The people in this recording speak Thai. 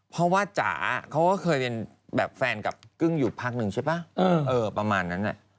เพราะว่าจ๋าเขาก็เคยเป็นแบบแฟนกับกึ้งอยู่พักนึงใช่ป่ะประมาณนั้น